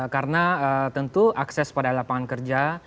karena tentu akses pada lapangan kerja